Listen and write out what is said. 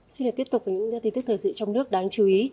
xin tiếp tục với những tin tức thời dị trong nước đáng chú ý